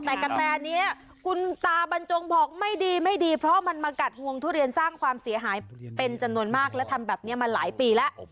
แต่กะแตนี้คุณตาบรรจงบอกไม่ดีไม่ดีเพราะมันมากัดห่วงทุเรียนสร้างความเสียหายเป็นจำนวนมากและทำแบบนี้มาหลายปีแล้ว